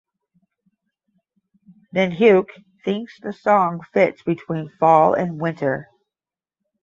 Minhyuk thinks the song fits between fall and winter.